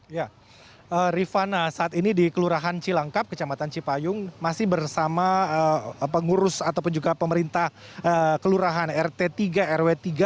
ya rifana saat ini di kelurahan cilangkap kecamatan cipayung masih bersama pengurus ataupun juga pemerintah kelurahan rt tiga rw tiga